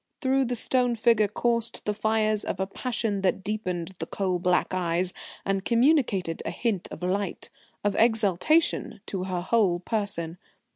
Through the stone figure coursed the fires of a passion that deepened the coal black eyes and communicated a hint of light of exaltation to her whole person.